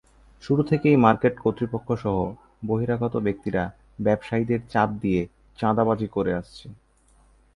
শুরু থেকেই মার্কেট কর্তৃপক্ষসহ বহিরাগত ব্যক্তিরা ব্যবসায়ীদের চাপ দিয়ে চাঁদাবাজি করে আসছে।